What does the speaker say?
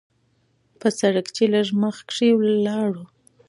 پۀ سړک چې لږ مخکښې لاړو